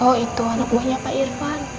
oh itu anak buahnya pak irfan